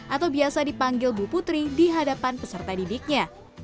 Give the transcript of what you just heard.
atau biasa dipanggil bu putri di hadapan peserta didiknya